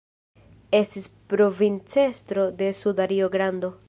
Estis provincestro de Suda Rio-Grando.